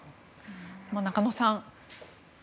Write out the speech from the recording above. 中野さん